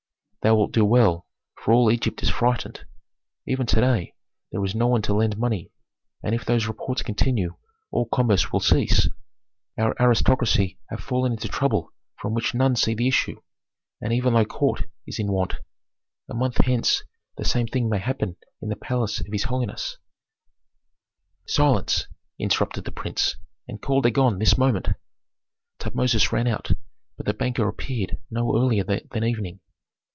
"Thou wilt do well, for all Egypt is frightened. Even to day there is no one to lend money, and if those reports continue all commerce will cease. Our aristocracy have fallen into trouble from which none see the issue, and even thy court is in want. A month hence the same thing may happen in the palace of his holiness " "Silence!" interrupted the prince, "and call Dagon this moment." Tutmosis ran out, but the banker appeared no earlier than evening.